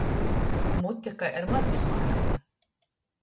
Mute kai ar madu smārāta!